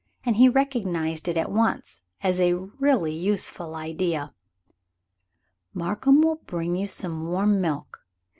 And he recognized it at once as a really useful idea. "Markham will bring you some warm milk.